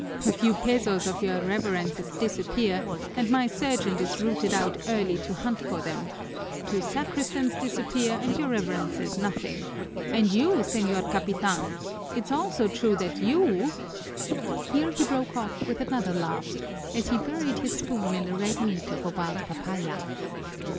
"A few pesos of your Reverence's disappear and my sergeant is routed out early to hunt for them two sacristans disappear and your Reverence says nothing and you, señor capitan It's also true that you " Here he broke off with another laugh as he buried his spoon in the red meat of a wild papaya.